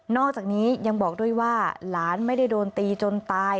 อกจากนี้ยังบอกด้วยว่าหลานไม่ได้โดนตีจนตาย